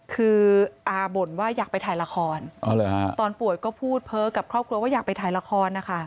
คืออาบ่นว่าอยากไปถ่ายละครตอนป่วยก็พูดเพ้อกับครอบครัวว่าอยากไปถ่ายละครนะคะ